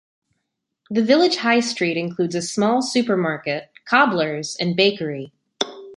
The village high street includes a small supermarket, cobblers and bakery.